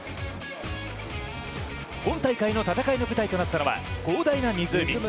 今大会の戦いの舞台となったのは広大な湖。